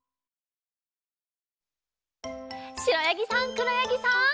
しろやぎさんくろやぎさん。